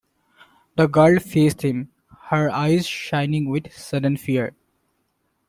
The girl faced him, her eyes shining with sudden fear.